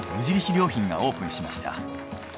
良品がオープンしました。